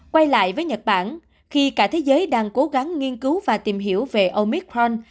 quay lại với nhật bản khi cả thế giới đang cố gắng nghiên cứu và tìm hiểu về omicron